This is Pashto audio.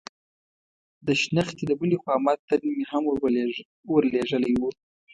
د شنختې د بلې خوا متن مې هم ور لېږلی و.